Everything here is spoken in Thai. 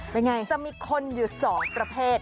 จะมีคนอยู่๒ประเภท